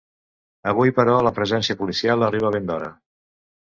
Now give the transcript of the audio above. Avui però la presència policial arriba ben d'hora.